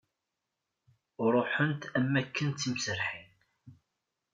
Ruḥent am waken d timserrḥin.